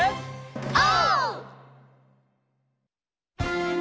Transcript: オー！